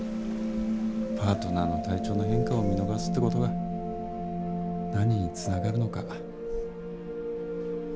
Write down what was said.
パートナーの体調の変化を見逃すってことが何に、つながるのか。